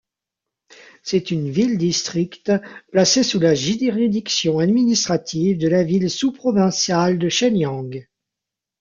C'est une ville-district placée sous la juridiction administrative de la ville sous-provinciale de Shenyang.